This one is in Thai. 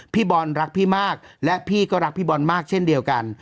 พี่บอลรักพี่มากและพี่ก็รักพี่บอลมากเช่นเดียวกัน